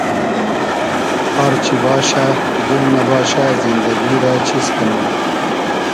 آر چی باشۂ دیل نئباشۂ زیندئگی رۂ چیز کئنوم